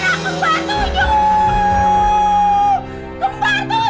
aku punya anak keempat tujuh